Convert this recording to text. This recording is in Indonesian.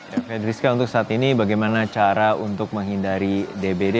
ya fed rizka untuk saat ini bagaimana cara untuk menghindari dbd